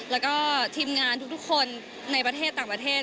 แล้วก็ทีมงานทุกคนในประเทศต่างประเทศ